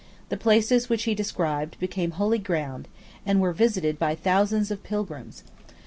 The places which he described became holy ground, and were visited by thousands of pilgrims.